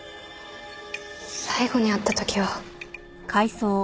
最後に会った時は。